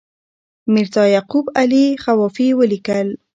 میرزا یعقوب علي خوافي ولیکل.